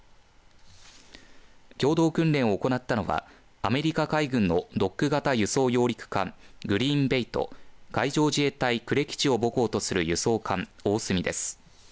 共同訓練を行ったのはアメリカ海軍のドック型輸送揚陸艦グリーン・ベイと海上自衛隊呉基地を母港とする輸送艦おおすみです。